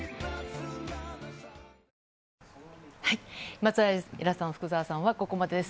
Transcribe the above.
松平さん、福澤さんはここまでです。